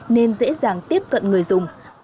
nên dễ dàng tiếp cận người dùng